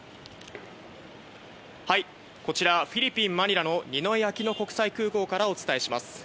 こちらフィリピン、マニラのニノイ・アキノ国際空港からお伝えします。